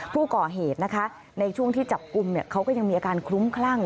ผู้ก่อเหตุนะคะในช่วงที่จับกลุ่มเขาก็ยังมีอาการคลุ้มคลั่ง